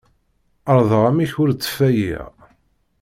Ԑerḍeɣ amek ur ttfayiɣ.